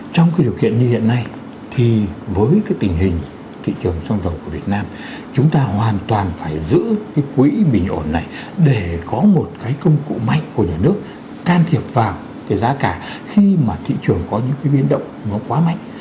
trong điều kiện như hiện nay với tình hình thị trường xăng dầu của việt nam chúng ta hoàn toàn phải giữ quỹ bình ổn này để có một công cụ mạnh của nhà nước can thiệp vào giá cả khi mà thị trường có những biến động quá mạnh